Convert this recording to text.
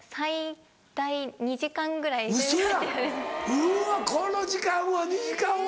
うわこの時間は２時間は。